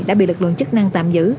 đã bị lực lượng chức năng tạm giữ